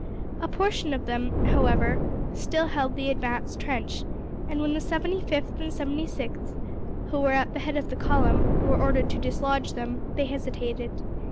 A portion of them, however, still held the advanced trench; and when the 75th and 76th, who were at the head of the column, were ordered to dislodge them, they hesitated.